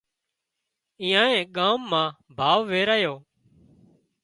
ايئانئي ڳام مان ڀاوَ ويرايو